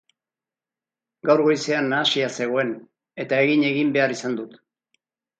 Gaur goizean nahasia zegoen, eta egin egin behar izan dut.